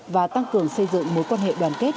và tăng cường xây dựng mối quan hệ đoàn kết